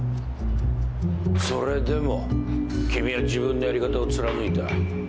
それでも君は自分のやり方を貫いた。